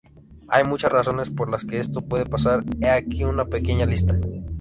Hay muchas razones por las que esto puede pasar, he aquí una pequeña lista.